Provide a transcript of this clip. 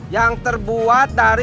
yang terbuat dari